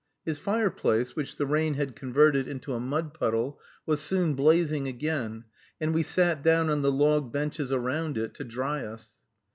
His fireplace, which the rain had converted into a mud puddle, was soon blazing again, and we sat down on the log benches around it to dry us.